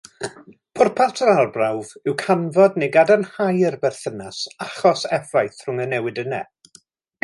Pwrpas yr arbrawf yw canfod neu gadarnhau'r berthynas achos-effaith rhwng y newidynnau.